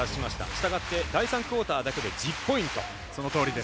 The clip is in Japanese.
したがって第３クオーターだけで１０ポイント。